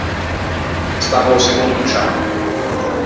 Staggo a-o segondo cian.